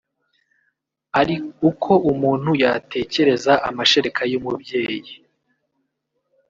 ari uko umuntu yatekereza amashereka y’umubyeyi